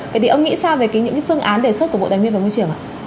vậy thì ông nghĩ sao về những cái phương án đề xuất của bộ tài nguyên và môi trường ạ